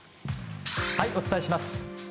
お伝えします。